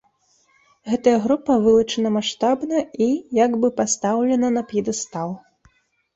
Гэтая група вылучана маштабна і як бы пастаўлена на п'едэстал.